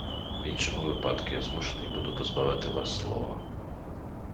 В іншому випадку я змушений буду позбавити вас слова.